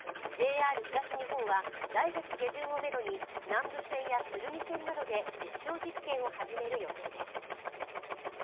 ＪＲ東日本は、来月下旬をめどに南武線や鶴見線などで実証実験を始める予定です。